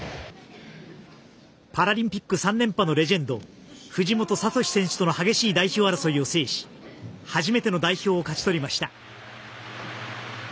パラリンピック３連覇のレジェンド藤本聰選手と激しい代表争いを制し初めての代表を勝ち取りました。